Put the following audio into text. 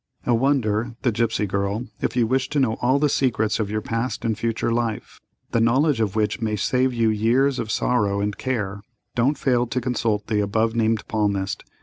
"A Wonder—The Gipsy Girl.—If you wish to know all the secrets of your past and future life, the knowledge of which may save you years of sorrow and care, don't fail to consult the above named palmist.